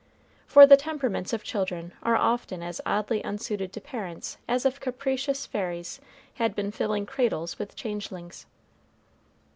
For the temperaments of children are often as oddly unsuited to parents as if capricious fairies had been filling cradles with changelings.